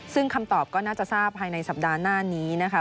ซึ่งคำตอบก็น่าจะทราบภายในสัปดาห์หน้านี้นะคะ